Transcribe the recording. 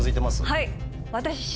はい私。